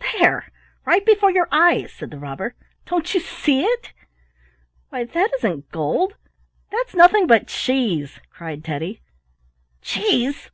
"There, right before your eyes," said the robber. "Don't you see it?" "Why, that isn't gold. That's nothing but cheese," cried Teddy. "Cheese!